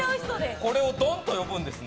これを丼と呼ぶんですね。